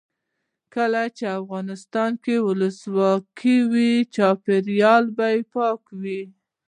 کله چې افغانستان کې ولسواکي وي چاپیریال پاک وي.